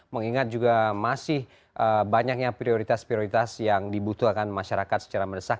mengingat juga masih banyaknya prioritas prioritas yang dibutuhkan masyarakat secara mendesak